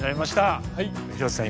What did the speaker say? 広瀬さん